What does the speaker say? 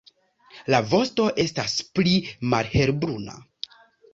La vosto estas pli malhelbruna.